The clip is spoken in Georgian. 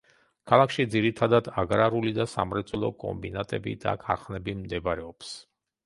ქალაქში ძირითადად აგრარული და სამრეწველო კომბინატები და ქარხნები მდებარეობს.